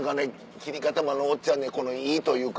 切り方もあのおっちゃんねいいというか。